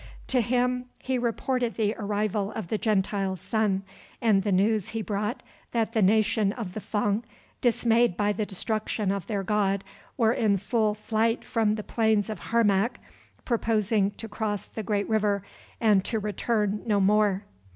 To him he reported the arrival of the Gentile's son, and the news he brought that the nation of the Fung, dismayed by the destruction of their god, were in full flight from the plains of Harmac, purposing to cross the great river and to return no more.